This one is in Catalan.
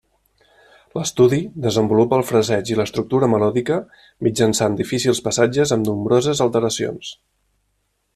L'estudi desenvolupa el fraseig i l'estructura melòdica mitjançant difícils passatges amb nombroses alteracions.